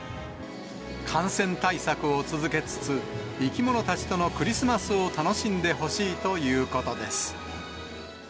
感染対策を続けつつ、生き物たちとのクリスマスを楽しんでほしいということです。